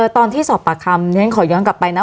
ตอนที่สอบปากคำฉันขอย้อนกลับไปนะ